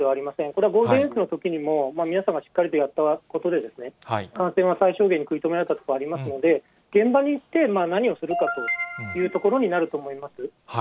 これはゴールデンウィークのときにも皆様、しっかりとやったことで感染は最小限に食い止められたところ、ありますので、現場に行って、何をするかというところになると思います。